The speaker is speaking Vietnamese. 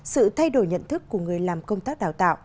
sự thay đổi nhận thức của người làm công tác đào tạo